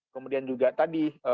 kemudian juga tadi